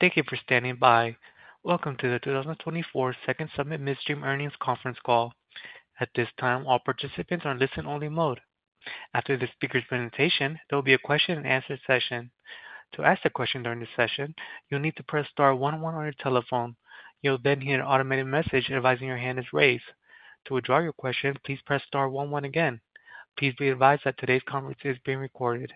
Thank you for standing by. Welcome to the 2024 Second Summit Midstream Earnings Conference Call. At this time, all participants are in listen-only mode. After the speaker's presentation, there will be a question-and-answer session. To ask a question during this session, you'll need to press star one one on your telephone. You'll then hear an automated message advising your hand is raised. To withdraw your question, please press star one one again. Please be advised that today's conference is being recorded.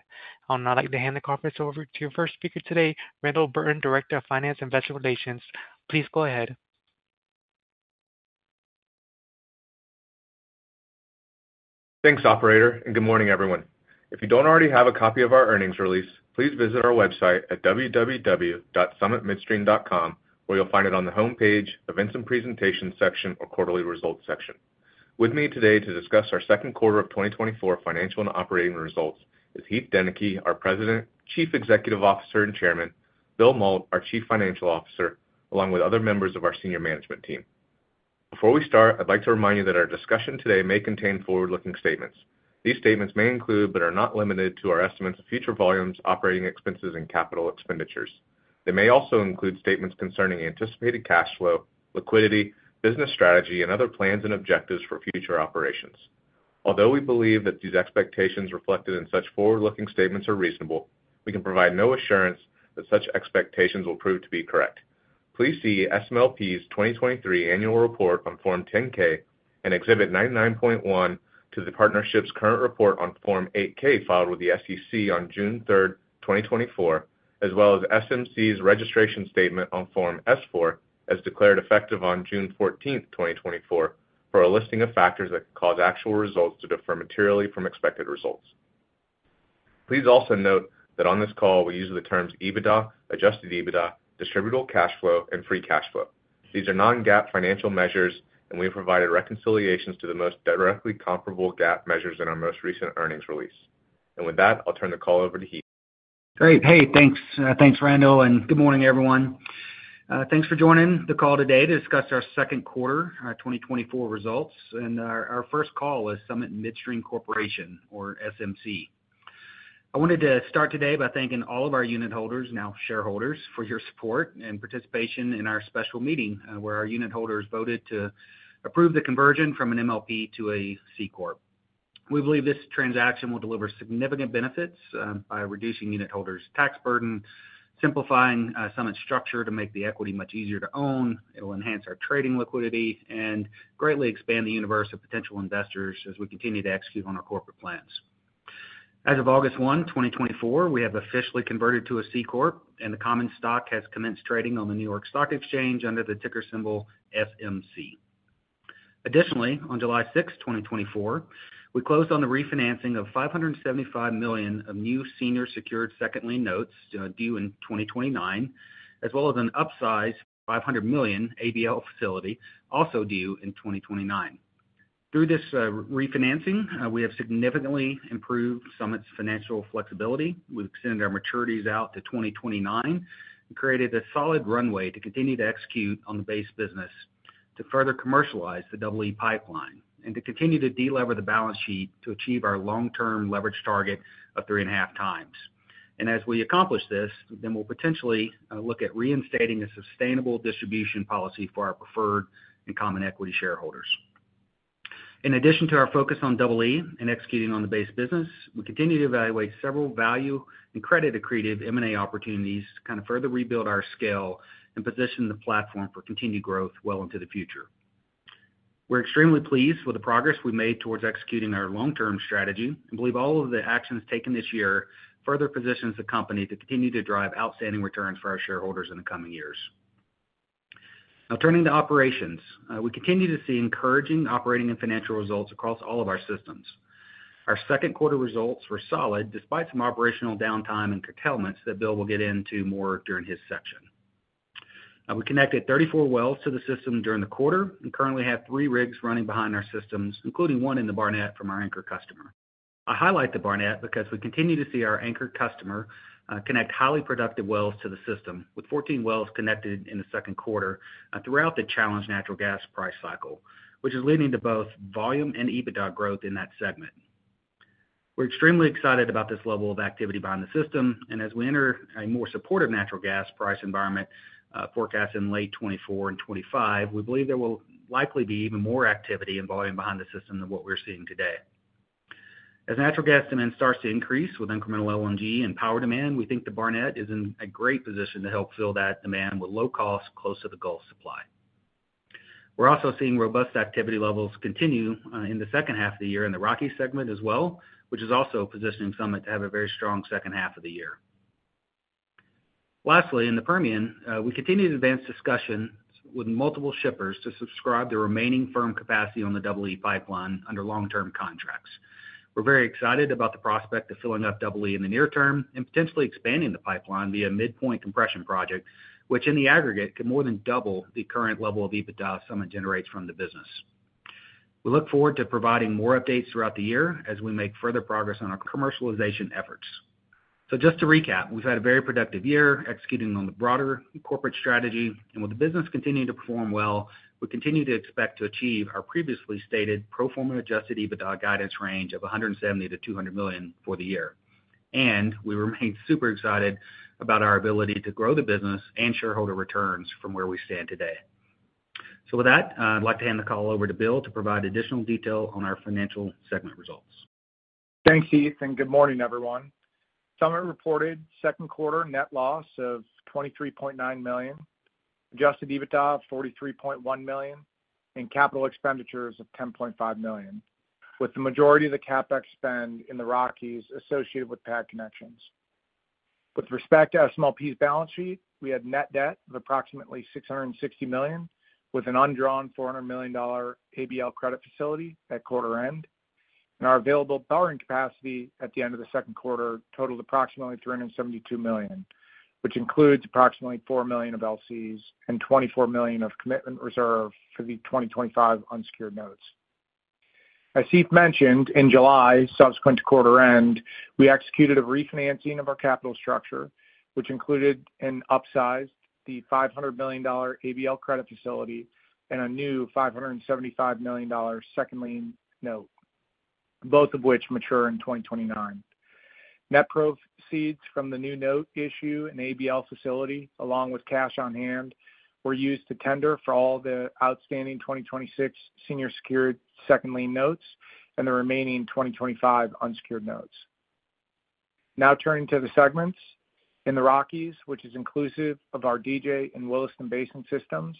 I would now like to hand the conference over to your first speaker today, Randall Burton, Director of Finance and Investor Relations. Please go ahead. Thanks, operator, and good morning, everyone. If you don't already have a copy of our earnings release, please visit our website at www.summitmidstream.com, where you'll find it on the Homepage, Events and Presentation section or Quarterly Results section. With me today to discuss our second quarter of 2024 financial and operating results is Heath Deneke, our President, Chief Executive Officer, and Chairman, Bill Mault, our Chief Financial Officer, along with other members of our senior management team. Before we start, I'd like to remind you that our discussion today may contain forward-looking statements. These statements may include, but are not limited to, our estimates of future volumes, operating expenses, and capital expenditures. They may also include statements concerning anticipated cash flow, liquidity, business strategy, and other plans and objectives for future operations. Although we believe that these expectations reflected in such forward-looking statements are reasonable, we can provide no assurance that such expectations will prove to be correct. Please see SMLP's 2023 annual report on Form 10-K and Exhibit 99.1 to the partnership's current report on Form 8-K, filed with the SEC on June 3, 2024, as well as SMC's registration statement on Form S-4, as declared effective on June 14, 2024, for a listing of factors that could cause actual results to differ materially from expected results. Please also note that on this call, we use the terms EBITDA, Adjusted EBITDA, Distributable Cash Flow, and Free Cash Flow. These are non-GAAP financial measures, and we have provided reconciliations to the most directly comparable GAAP measures in our most recent earnings release. And with that, I'll turn the call over to Heath. Great. Hey, thanks. Thanks, Randall, and good morning, everyone. Thanks for joining the call today to discuss our second quarter, our 2024 results, and our first call as Summit Midstream Corporation or SMC. I wanted to start today by thanking all of our unitholders, now shareholders, for your support and participation in our special meeting, where our unitholders voted to approve the conversion from an MLP to a C-Corp. We believe this transaction will deliver significant benefits by reducing unitholders' tax burden, simplifying Summit's structure to make the equity much easier to own. It'll enhance our trading liquidity and greatly expand the universe of potential investors as we continue to execute on our corporate plans. As of August 1, 2024, we have officially converted to a C-Corp, and the common stock has commenced trading on the New York Stock Exchange under the ticker symbol SMC. Additionally, on July 6th, 2024, we closed on the refinancing of $575 million of new senior secured second lien notes due in 2029, as well as an upsized $500 million ABL facility, also due in 2029. Through this refinancing, we have significantly improved Summit's financial flexibility. We've extended our maturities out to 2029 and created a solid runway to continue to execute on the base business, to further commercialize the Double E Pipeline, and to continue to delever the balance sheet to achieve our long-term leverage target of 3.5x. As we accomplish this, then we'll potentially look at reinstating a sustainable distribution policy for our preferred and common equity shareholders. In addition to our focus on Double E and executing on the base business, we continue to evaluate several value and credit accretive M&A opportunities to kind of further rebuild our scale and position the platform for continued growth well into the future. We're extremely pleased with the progress we made towards executing our long-term strategy and believe all of the actions taken this year further positions the company to continue to drive outstanding returns for our shareholders in the coming years. Now, turning to operations. We continue to see encouraging operating and financial results across all of our systems. Our second quarter results were solid, despite some operational downtime and curtailments that Bill will get into more during his section. We connected 34 wells to the system during the quarter and currently have three rigs running behind our systems, including one in the Barnett from our anchor customer. I highlight the Barnett because we continue to see our anchor customer connect highly productive wells to the system, with 14 wells connected in the second quarter, throughout the challenged natural gas price cycle, which is leading to both volume and EBITDA growth in that segment. We're extremely excited about this level of activity behind the system, and as we enter a more supportive natural gas price environment forecast in late 2024 and 2025, we believe there will likely be even more activity and volume behind the system than what we're seeing today. As natural gas demand starts to increase with incremental LNG and power demand, we think the Barnett is in a great position to help fill that demand with low cost, close to the Gulf supply. We're also seeing robust activity levels continue, in the second half of the year in the Rockies segment as well, which is also positioning Summit to have a very strong second half of the year. Lastly, in the Permian, we continue to advance discussions with multiple shippers to subscribe the remaining firm capacity on the Double E Pipeline under long-term contracts. We're very excited about the prospect of filling up Double E in the near term and potentially expanding the pipeline via midpoint compression project, which, in the aggregate, could more than double the current level of EBITDA Summit generates from the business. We look forward to providing more updates throughout the year as we make further progress on our commercialization efforts. So just to recap, we've had a very productive year executing on the broader corporate strategy, and with the business continuing to perform well, we continue to expect to achieve our previously stated pro forma Adjusted EBITDA guidance range of $170 million-$200 million for the year. And we remain super excited about our ability to grow the business and shareholder returns from where we stand today. So with that, I'd like to hand the call over to Bill to provide additional detail on our financial segment results. Thanks, Heath, and good morning, everyone. Summit reported second quarter net loss of $23.9 million, Adjusted EBITDA of $43.1 million, and capital expenditures of $10.5 million, with the majority of the CapEx spend in the Rockies associated with pad connections. With respect to SMLP's balance sheet, we had net debt of approximately $660 million, with an undrawn $400 million ABL credit facility at quarter end, and our available borrowing capacity at the end of the second quarter totaled approximately $372 million, which includes approximately $4 million of LCs and $24 million of commitment reserve for the 2025 unsecured notes. As Heath mentioned, in July, subsequent to quarter end, we executed a refinancing of our capital structure, which included and upsized the $500 million ABL credit facility and a new $575 million second lien note, both of which mature in 2029. Net proceeds from the new note issue and ABL facility, along with cash on hand, were used to tender for all the outstanding 2026 senior secured second lien notes and the remaining 2025 unsecured notes. Now turning to the segments. In the Rockies, which is inclusive of our DJ and Williston Basin systems,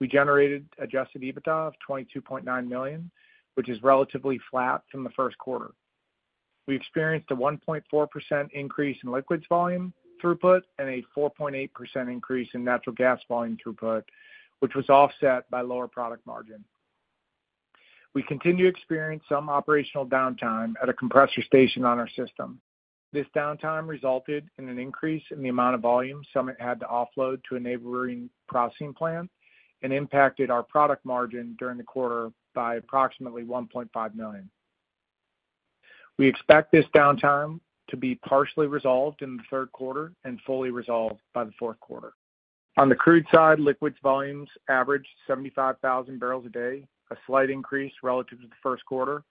we generated Adjusted EBITDA of $22.9 million, which is relatively flat from the first quarter. We experienced a 1.4% increase in liquids volume throughput and a 4.8% increase in natural gas volume throughput, which was offset by lower product margin. We continue to experience some operational downtime at a compressor station on our system. This downtime resulted in an increase in the amount of volume Summit had to offload to a neighboring processing plant and impacted our product margin during the quarter by approximately $1.5 million. We expect this downtime to be partially resolved in the third quarter and fully resolved by the fourth quarter. On the crude side, liquids volumes averaged 75,000 barrels a day, a slight increase relative to the first quarter,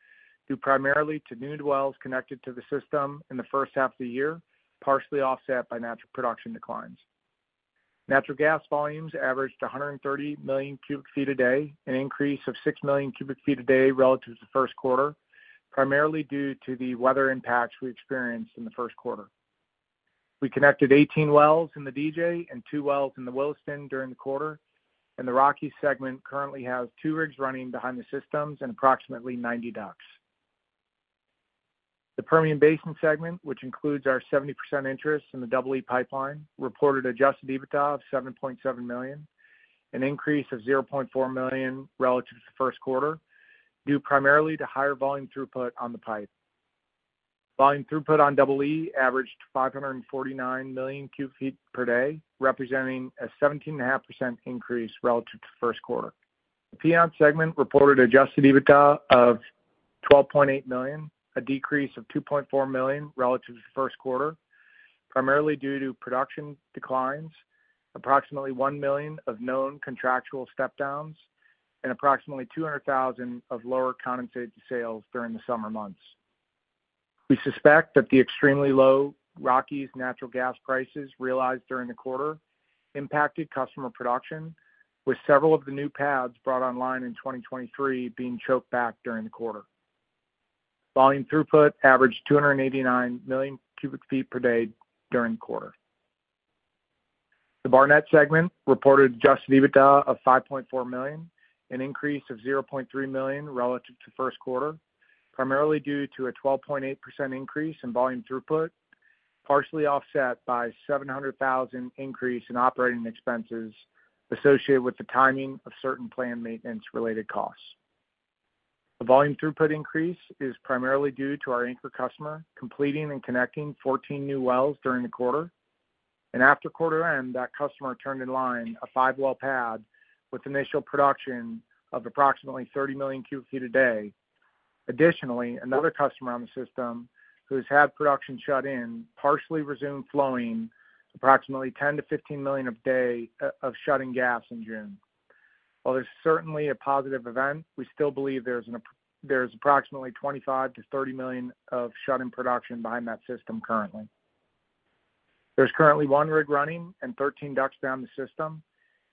due primarily to new wells connected to the system in the first half of the year, partially offset by natural production declines. Natural gas volumes averaged 130 million cubic feet a day, an increase of 6 million cubic feet a day relative to the first quarter, primarily due to the weather impacts we experienced in the first quarter. We connected 18 wells in the DJ and two wells in the Williston during the quarter, and the Rockies segment currently has two rigs running behind the systems and approximately 90 DUCs. The Permian Basin segment, which includes our 70% interest in the Double E Pipeline, reported Adjusted EBITDA of $7.7 million, an increase of $0.4 million relative to the first quarter, due primarily to higher volume throughput on the pipe. Volume throughput on Double E averaged 549 million cubic feet per day, representing a 17.5% increase relative to the first quarter. The Piceance segment reported Adjusted EBITDA of $12.8 million, a decrease of $2.4 million relative to the first quarter, primarily due to production declines, approximately $1 million of known contractual step downs, and approximately $200,000 of lower condensate sales during the summer months. We suspect that the extremely low Rockies natural gas prices realized during the quarter impacted customer production, with several of the new pads brought online in 2023 being choked back during the quarter. Volume throughput averaged 289 million cubic feet per day during the quarter. The Barnett segment reported Adjusted EBITDA of $5.4 million, an increase of $0.3 million relative to first quarter, primarily due to a 12.8% increase in volume throughput, partially offset by $700,000 increase in operating expenses associated with the timing of certain planned maintenance-related costs. The volume throughput increase is primarily due to our anchor customer completing and connecting 14 new wells during the quarter. After quarter end, that customer turned in line a 5-well pad with initial production of approximately 30 million cubic feet a day. Additionally, another customer on the system, who's had production shut in, partially resumed flowing approximately 10-15 million a day, of shut-in gas in June. While there's certainly a positive event, we still believe there's approximately 25-30 million of shut-in production behind that system currently. There's currently one rig running and 13 DUCs down the system.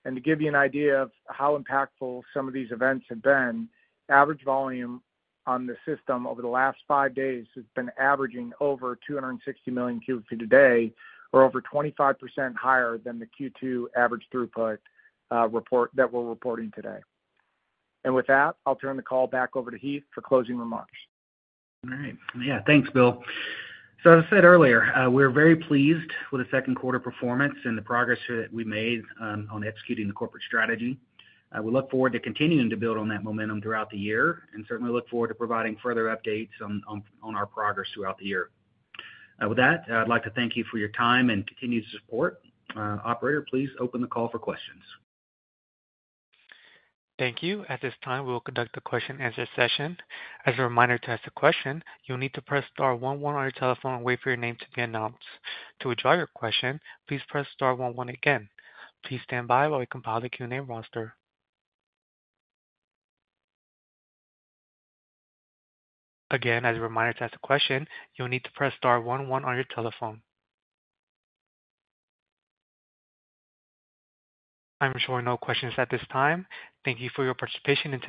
And to give you an idea of how impactful some of these events have been, average volume on the system over the last 5 days has been averaging over 260 million cubic feet a day, or over 25% higher than the Q2 average throughput that we're reporting today. And with that, I'll turn the call back over to Heath for closing remarks. All right. Yeah, thanks, Bill. So as I said earlier, we're very pleased with the second quarter performance and the progress that we made on executing the corporate strategy. We look forward to continuing to build on that momentum throughout the year, and certainly look forward to providing further updates on our progress throughout the year. With that, I'd like to thank you for your time and continued support. Operator, please open the call for questions. Thank you. At this time, we will conduct a question and answer session. As a reminder, to ask a question, you'll need to press star one one on your telephone and wait for your name to be announced. To withdraw your question, please press star one one again. Please stand by while we compile the Q&A roster. Again, as a reminder, to ask a question, you'll need to press star one one on your telephone. I'm showing no questions at this time. Thank you for your participation and-